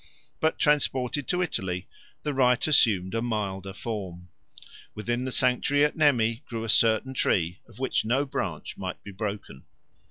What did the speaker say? But transported to Italy, the rite assumed a milder form. Within the sanctuary at Nemi grew a certain tree of which no branch might be broken.